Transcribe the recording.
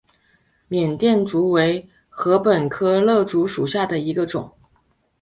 缅甸竹为禾本科簕竹属下的一个种。